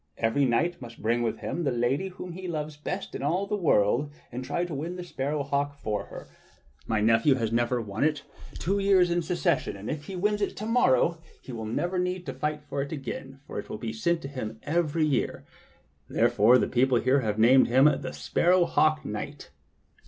Every knight must bring with him the lady whom he loves best in all the world and try to win the sparrow hawk for her. My nephew has now won it two years in succession, and if he wins it again to morrow he will never need to fight for it again, for it will be sent to him every year. Therefore the people about here have named him the Sparrow Hawk knight."